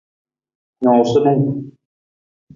Nuusanung.